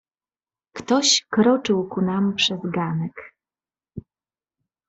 "Ktoś kroczył ku nam przez ganek."